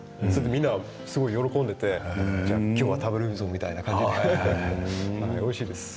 みんな、すごく喜んでいてじゃあ今日は食べるぞみたいな感じでおいしいです。